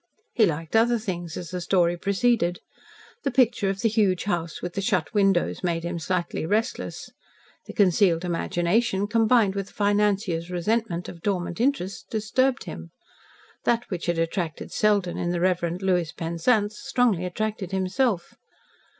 He liked other things, as the story proceeded. The picture of the huge house with the shut windows, made him slightly restless. The concealed imagination, combined with the financier's resentment of dormant interests, disturbed him. That which had attracted Selden in the Reverend Lewis Penzance strongly attracted himself.